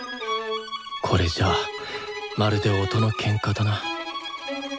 これじゃあまるで音のケンカだな。